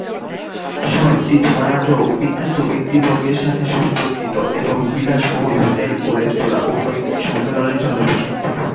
শহরটি ধনাঢ্য ও বিখ্যাত ব্যক্তিবর্গের সাথে সম্পর্কিত এবং বিলাসবহুল হোটেল ও রেস্তোরাঁ, ও কয়েকটি সম্মেলনের জন্য প্রসিদ্ধ।